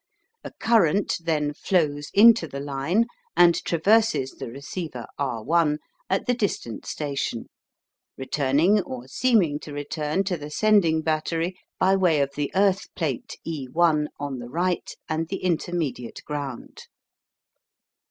A current then flows into the line and traverses the receiver R' at the distant station, returning or seeming to return to the sending battery by way of the earth plate E' on the right and the intermediate ground.